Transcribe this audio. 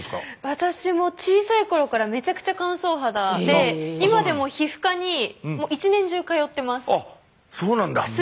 私も小さい頃からめちゃくちゃ乾燥肌で今でも皮膚科に一年中通ってます。